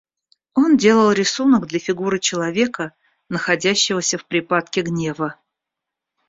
Он делал рисунок для фигуры человека, находящегося в припадке гнева.